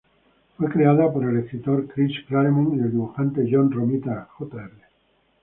Fue creada por el escritor Chris Claremont y el dibujante John Romita Jr..